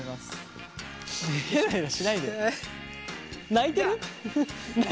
泣いてるの？